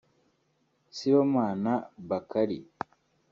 Sibomana Bakari